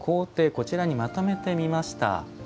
こちらにまとめてみました。